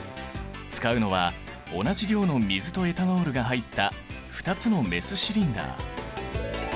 使うのは同じ量の水とエタノールが入った２つのメスシリンダー。